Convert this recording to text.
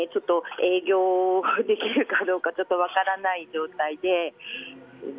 営業できるかどうかちょっと分からない状態で。